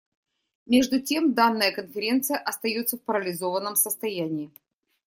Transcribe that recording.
Между тем данная Конференция остается в парализованном состоянии.